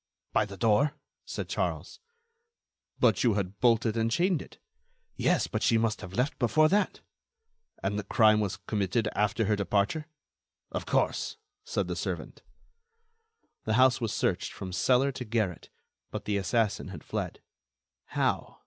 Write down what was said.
"By the door," said Charles. "But you had bolted and chained it." "Yes, but she must have left before that." "And the crime was committed after her departure?" "Of course," said the servant. The house was searched from cellar to garret, but the assassin had fled. How?